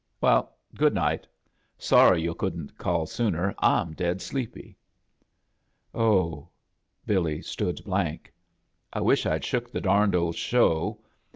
Veil, good n^ht. Sorry yu' couldn't call sooner — I'm dead sleepy." "0 hl" Billy stood blank. "I widi I'd shook the darned old show.